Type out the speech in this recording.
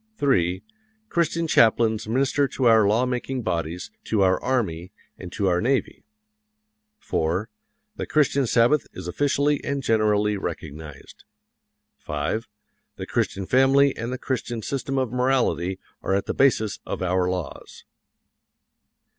3. Christian chaplains minister to our law making bodies, to our army, and to our navy. 4. The Christian Sabbath is officially and generally recognized. 5. The Christian family and the Christian system of morality are at the basis of our laws.